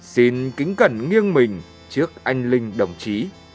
xin kính cẩn nghiêng mình trước anh linh đồng chí